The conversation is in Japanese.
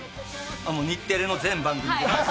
日テレの全番組です。